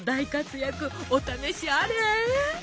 お試しあれ！